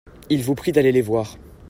Ils vous prient d'aller les voir.